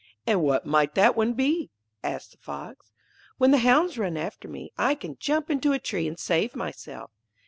'And what might that one be?' asked the Fox. 'When the hounds run after me, I can jump into a tree and save myself.'